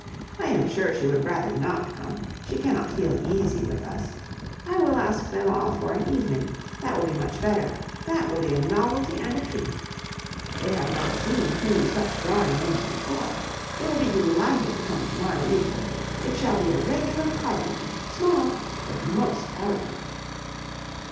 I am sure she would rather not come; she cannot feel easy with us. I will ask them all for an evening; that will be much better; that will be a novelty and a treat. They have not seen two such drawing rooms before. They will be delighted to come to morrow evening. It shall be a regular party, small, but most elegant."